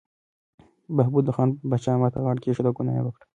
بهبود خان د پاچا امر ته غاړه کېښوده او ګناه یې وکړه.